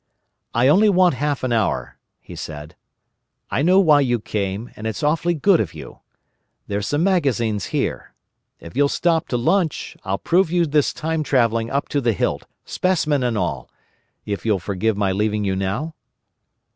"I only want half an hour," he said. "I know why you came, and it's awfully good of you. There's some magazines here. If you'll stop to lunch I'll prove you this time travelling up to the hilt, specimens and all. If you'll forgive my leaving you now?"